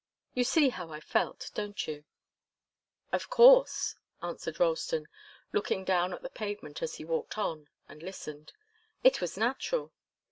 You see how I felt, don't you?" "Of course," answered Ralston, looking down at the pavement as he walked on and listened. "It was natural."